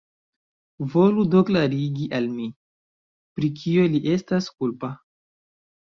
Volu do klarigi al mi, pri kio li estas kulpa?